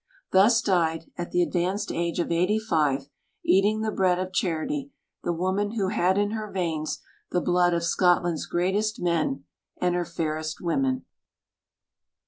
Thus died, at the advanced age of eighty five, eating the bread of charity, the woman who had in her veins the blood of Scotland's greatest men and her fairest women.